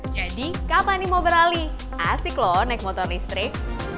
jadi kapan nih mau beralih asik loh naik motor listrik